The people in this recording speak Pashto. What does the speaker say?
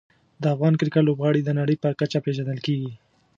د افغان کرکټ لوبغاړي د نړۍ په کچه پېژندل کېږي.